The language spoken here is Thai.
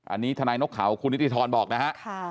อันนี้ทนายนกเขาคุณนิติธรบอกนะฮะ